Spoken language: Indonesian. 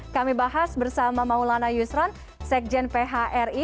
kami bahas bersama maulana yusron sekjen phri